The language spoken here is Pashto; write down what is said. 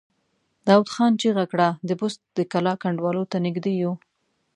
داوود خان چيغه کړه! د بست د کلا کنډوالو ته نږدې يو!